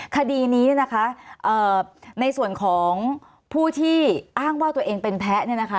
คดีนี้นะคะในส่วนของผู้ที่อ้างว่าตัวเองเป็นแพ้เนี่ยนะคะ